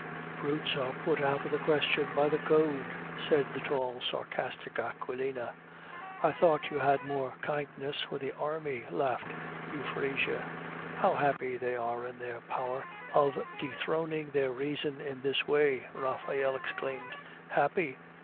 "Brutes are put out of the question by the Code," said the tall, sarcastic Aquilina. "I thought you had more kindness for the army," laughed Euphrasia. "How happy they are in their power of dethroning their reason in this way," Raphael exclaimed. "Happy?"